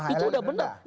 itu udah berhasil